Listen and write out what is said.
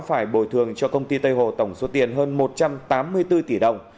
phải bồi thường cho công ty tây hồ tổng số tiền hơn một trăm tám mươi bốn tỷ đồng